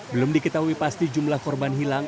belum diketahui pasti jumlah korban hilang